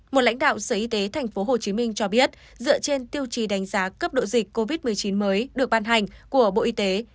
một lãnh đạo sở y tế tp hcm cho biết dựa trên tiêu chí đánh giá cấp độ dịch covid một mươi chín mới được ban hành của bộ y tế